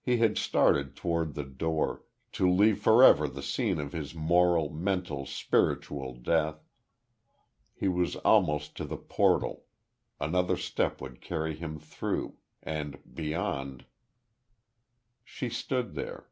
He had started toward the door, to leave forever the scene of his moral, mental, spiritual death he was almost to the portal another step would carry him through, and beyond She stood there.